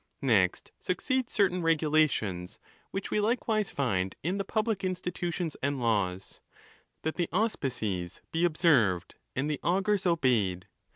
Next succeed certain regulations, which we likewise find in the public institutions and laws—that the auspices be ob served, and the augurs obeyed.